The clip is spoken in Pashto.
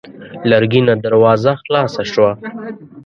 لرګينه دروازه خلاصه شوه.